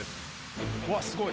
うわっ、すごい。